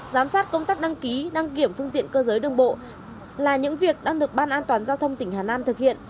giám sát công tác đăng ký đăng kiểm phương tiện cơ giới đường bộ là những việc đang được ban an toàn giao thông tỉnh hà nam thực hiện